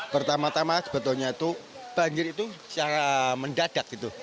pertama tama sebetulnya itu banjir itu secara mendadak gitu